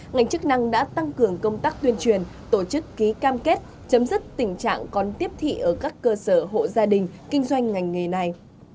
ngành chức năng đã tăng cường công tác tuyên truyền tổ chức ký cam kết chấm dứt tình trạng còn tiếp thị ở các cơ sở hộ gia đình kinh doanh ngành nghề này